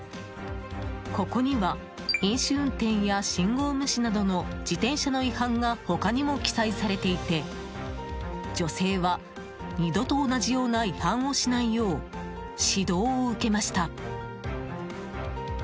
ここには飲酒運転や信号無視などの自転車の違反が他にも記載されていて女性は二度と同じような違反をしないよう、指導を受けました。